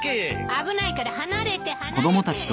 危ないから離れて離れて。